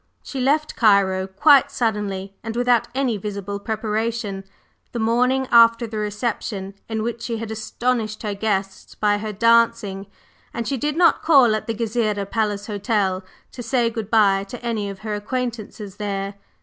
She left Cairo quite suddenly, and without any visible preparation, the morning after the reception in which she had astonished her guests by her dancing: and she did not call at the Gezireh Palace Hotel to say good bye to any of her acquaintances there.